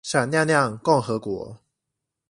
閃亮亮共和國